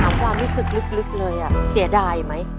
ความรู้สึกลึกเลยเสียดายไหม